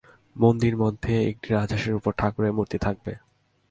মন্দিরমধ্যে একটি রাজহংসের উপর ঠাকুরের মূর্তি থাকবে।